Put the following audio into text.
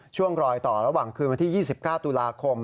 ช่วงรอยต่อระหว่างคืนวันที่๒๙ตุลาคม